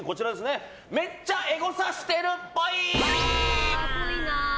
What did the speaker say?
めっちゃエゴサしてるっぽい。